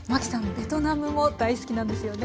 ベトナムも大好きなんですよね。